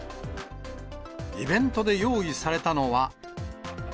イベントで用意されたのは。